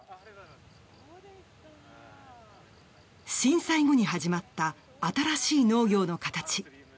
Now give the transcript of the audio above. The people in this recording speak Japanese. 震災後に始まった新しい農業の形。